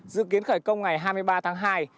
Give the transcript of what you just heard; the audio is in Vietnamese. dự kiến khởi công ngày hai mươi ba tháng hai